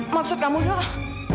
maksud kamu doang